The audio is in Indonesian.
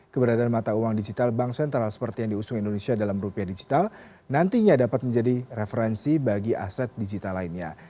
keberadaan mata uang digital bank sentral seperti yang diusung indonesia dalam rupiah digital nantinya dapat menjadi referensi bagi aset digital lainnya